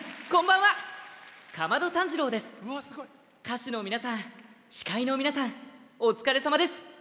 歌手の皆さん、司会の皆さんお疲れさまです。